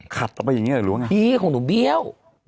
ขัดออกไปอย่างงี้่อ่ะหรือว่าไงของดูเบี้ยว